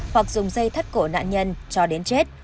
hoặc dùng dây thắt cổ nạn nhân cho đến chết